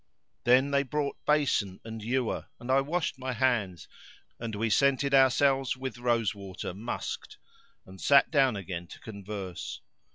Then they brought basin and ewer and I washed my hands and we scented ourselves with rose water musk'd and sat down again to converse.